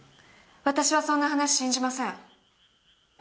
私はそんな話信じません。